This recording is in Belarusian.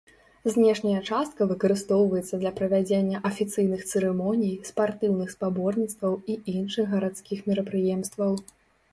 Знешняя частка выкарыстоўваецца для правядзення афіцыйных цырымоній, спартыўных спаборніцтваў і іншых гарадскіх мерапрыемстваў.